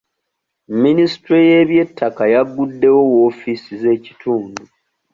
Minisitule y'ebyettaka yagguddewo woofiisi z'ekitundu.